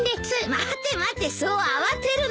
待て待てそう慌てるな。